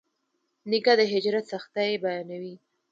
نیکه د هجرت سختۍ بیانوي.